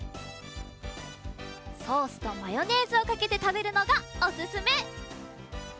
ソースとマヨネーズをかけてたべるのがおすすめ！